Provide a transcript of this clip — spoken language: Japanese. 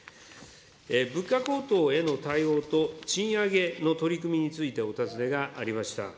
物価高騰への対応と賃上げの取り組みについてお尋ねがありました。